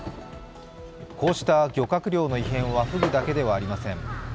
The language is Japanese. こうした漁獲量の異変はふぐだけではありません。